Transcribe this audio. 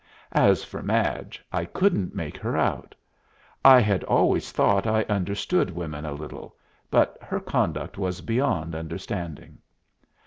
As for Madge, I couldn't make her out. I had always thought I understood women a little, but her conduct was beyond understanding.